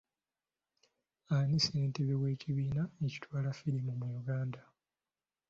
Ani ssentebe w'ekibiina ekitwala firimu mu Uganda?